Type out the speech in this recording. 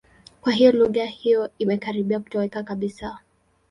Kwa hiyo lugha hiyo imekaribia kutoweka kabisa.